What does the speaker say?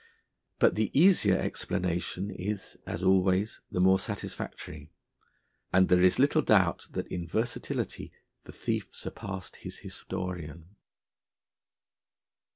But the easier explanation is, as always, the more satisfactory; and there is little doubt that in versatility the thief surpassed his historian.